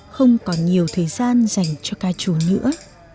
không còn nhiều thời gian dành cho ca trù nữa